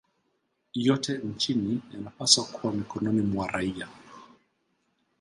yote nchini yanapaswa kuwa mikononi mwa raia